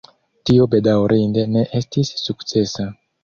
Tio bedaŭrinde ne estis sukcesa.